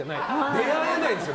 出会えないですよ